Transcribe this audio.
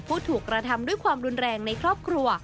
ผู้ถูกกระทำด้วยความรุนแรงในครอบครัว